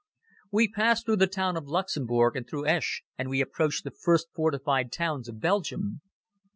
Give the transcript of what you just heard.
We passed through the town of Luxemburg and through Esch and we approached the first fortified towns of Belgium.